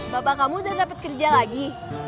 bapak kamu udah dapat kerja lagi